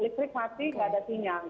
elektrik masih tidak ada sinyal